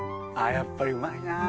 やっぱりうまいなあ。